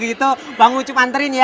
kalo gitu bang ucup anterin ya